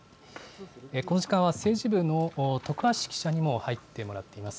この時間は政治部の徳橋記者にも入ってもらっています。